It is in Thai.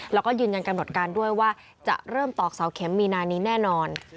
แล้วก็ยืนยันกำหนดการด้วยว่าจะเริ่มตอกเสาเข็มมีนานี้แน่นอน